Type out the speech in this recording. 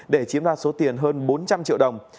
để chiếm đoạt số tiền hơn bốn trăm linh triệu đồng